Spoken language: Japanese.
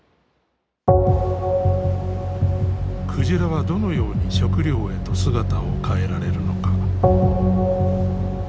鯨はどのように食料へと姿を変えられるのか。